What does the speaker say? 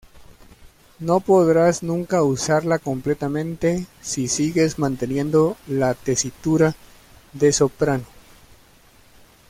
No podrás nunca usarla completamente si sigues manteniendo la tesitura de soprano".